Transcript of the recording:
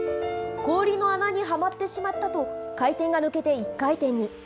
氷の穴にはまってしまったと、回転が抜けて１回転に。